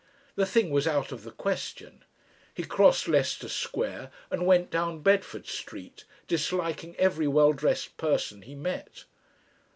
The thing was out of the question. He crossed Leicester Square and went down Bedford Street, disliking every well dressed person he met.